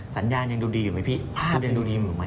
สัญญาณยังดูดีหรือไม่พี่ภาพยังดูดีหรือไม่